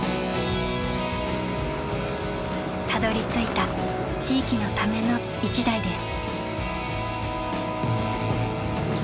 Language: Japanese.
たどりついた地域のための一台です。